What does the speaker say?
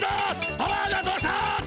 パワーがどうした？